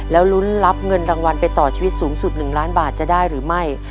แล้วลุ้นรับเงินรางวัลไปต่อชีวิตสูงสุด๑ล้านบาทจะได้หรือไม่